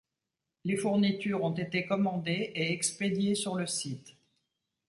Les fournitures ont été commandées et expédiées sur le site.